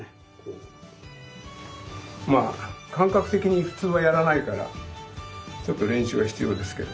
まあ感覚的に普通はやらないからちょっと練習が必要ですけど。